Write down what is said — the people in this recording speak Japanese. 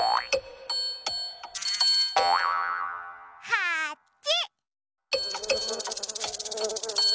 はち！